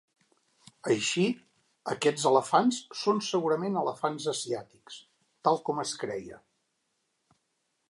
Així, aquests elefants són segurament elefants asiàtics, tal com es creia.